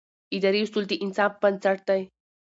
اداري اصول د انصاف بنسټ دی.